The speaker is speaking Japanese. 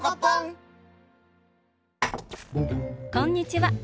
こんにちは。